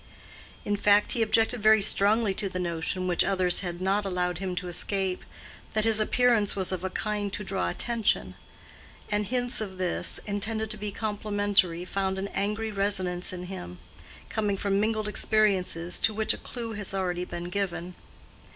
In fact, he objected very strongly to the notion, which others had not allowed him to escape, that his appearance was of a kind to draw attention; and hints of this, intended to be complimentary, found an angry resonance in him, coming from mingled experiences, to which a clue has already been given.